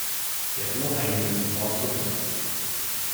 Der Oheim will sofort zurück.